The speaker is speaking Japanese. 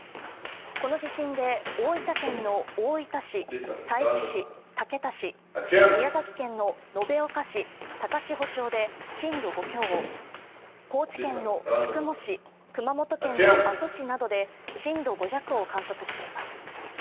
この地震で大分県の大分市、佐伯市、竹田市、宮崎県の延岡市、高千穂町で震度５強を、高知県の宿毛市、熊本県の阿蘇市などで震度５弱を観測しています。